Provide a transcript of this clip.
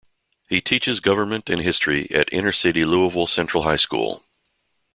He teaches government and history at inner-city Louisville Central High School.